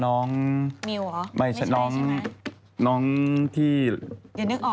เพิ่งจะมีนั้นละ